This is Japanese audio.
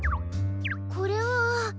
これは。